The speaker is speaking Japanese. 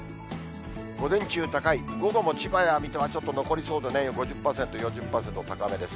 午前中、高い、午後も千葉や水戸はちょっと残りそうでね、５０％、４０％、高めです。